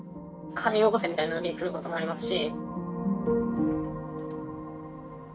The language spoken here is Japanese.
「金寄こせ」みたいな来ることもありますし。